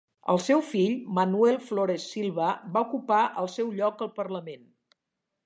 El seu fill, Manuel Flores Silva, va ocupar el seu lloc al Parlament.